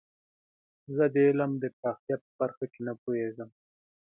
زه د علم د پراختیا په برخه کې نه پوهیږم.